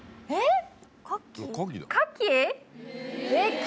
えっ？